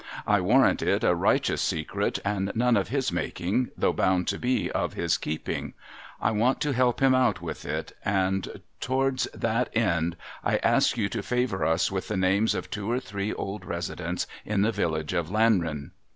I warrant it a righteous secret, and none of his making, though bound to be of his keeping. I want to help him out with it, and tewwards that end we ask you to favour us with the names of two or three old residents in the village of Lanrean.